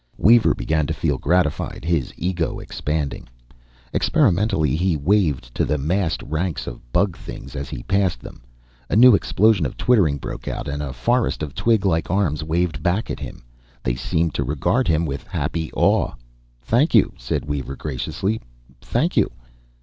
Weaver began to feel gratified, his ego expanding. Experimentally, he waved to the massed ranks of bug things as he passed them. A new explosion of twittering broke out, and a forest of twiglike arms waved back at him. They seemed to regard him with happy awe. "Thank you," said Weaver graciously. "Thank you...."